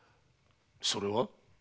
それは？